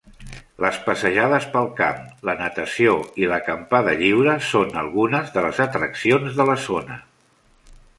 Les passejades pel camp, la natació i l'acampada lliure són algunes de les atraccions de la zona.